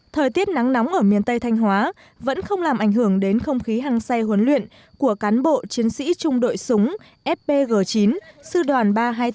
thời tiết nắng nóng ở miền tây thanh hóa vẫn không làm ảnh hưởng đến không khí hăng say huấn luyện của cán bộ chiến sĩ trung đội súng fpg chín sư đoàn ba trăm hai mươi tám